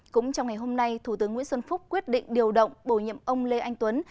cũng trong ngày hôm nay thủ tướng nguyễn xuân phúc quyết định điều động bổ nhiệm ông lê anh tuấn